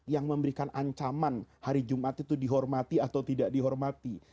yang memberikan ancaman hari jumat itu dihormati atau tidak dihormati